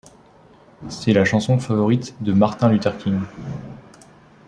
C'est la chanson favorite de Martin Luther King.